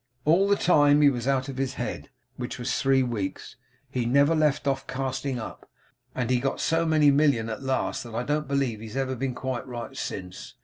All the time he was out of his head (which was three weeks) he never left off casting up; and he got to so many million at last that I don't believe he's ever been quite right since.